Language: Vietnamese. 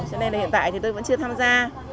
cho nên hiện tại thì tôi vẫn chưa tham gia